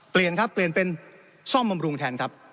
เปลี่ยนเป็นซ่อมบำรุงแทนครับ